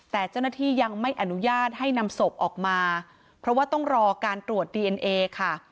แต่เจ้าหน้าที่ยังไม่อนุญาตให้นำศพออกมาเพราะว่าต้องรอการตรวจดีเอ็นเอค่ะ